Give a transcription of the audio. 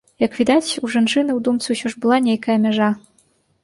Як відаць, у жанчыны ў думцы ўсё ж была нейкая мяжа.